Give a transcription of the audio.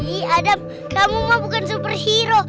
ih adam kamu mah bukan superhero